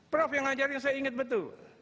prof yang ngajarin saya ingat betul